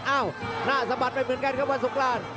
เอ้าหน้าสะบัดอย่างเหมือนกันครับบรรซุกราน